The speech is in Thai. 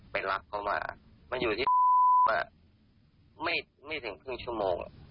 ไปรับเขามามันอยู่ที่ไม่ถึงครึ่งชั่วโมง